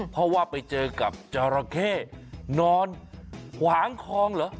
เพราะว่าไปเจอกับจราเข้นอนขวางคลองเหรอ